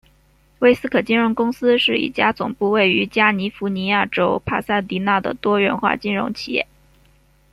魏斯可金融公司是一家总部位于加尼福尼亚州帕萨迪纳的多元化金融企业。